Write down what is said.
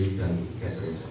teman teman dasar tercampurkan